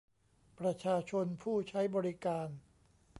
ประชาชนผู้ใช้บริการ